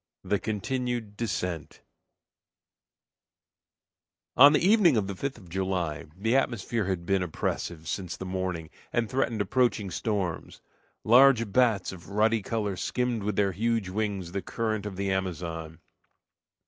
THE CONTINUED DESCENT On the evening of the 5th of July, the atmosphere had been oppressive since the morning and threatened approaching storms. Large bats of ruddy color skimmed with their huge wings the current of the Amazon.